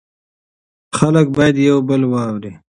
خلک باید یو بل واوري.